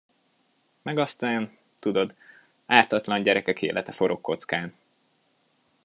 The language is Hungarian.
Meg aztán, tudod, ártatlan gyerekek élete forog kockán.